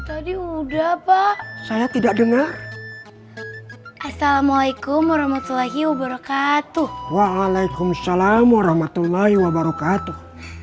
assalamualaikum warahmatullahi wabarakatuh